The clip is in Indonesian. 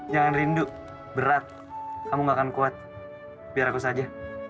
jangan rindu berat kamu gak akan kuat biar aku saja